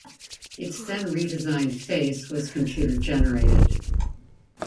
Its then redesigned face was computer generated.